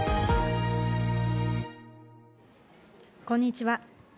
こんにちは。